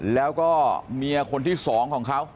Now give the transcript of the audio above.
แล้วก็เมียคนที่สองของเขา